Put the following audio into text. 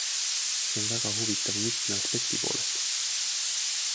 See on väga huvitav mitme aspekti poolest.